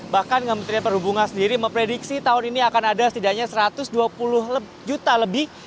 bahkan kementerian perhubungan sendiri memprediksi tahun ini akan ada setidaknya satu ratus dua puluh juta lebih